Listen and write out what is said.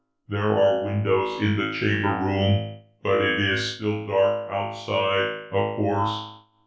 There are windows in the Chamber Room, but it is still dark outside, of course.